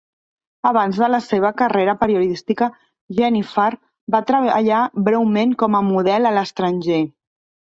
Abans de la seva carrera periodística, Jennifer va treballar breument com a model a l'estranger.